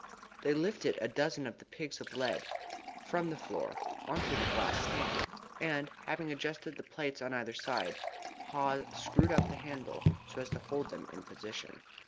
They lifted a dozen of the pigs of lead from the floor on to the glass stand, and having adjusted the plates on either side, Haw screwed up the handle so as to hold them in position.